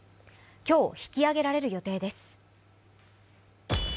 今日、引き揚げられる予定です。